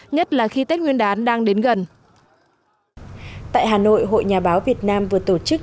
nhất là khi tết nguyên đán đang đến gần tại hà nội hội nhà báo việt nam vừa tổ chức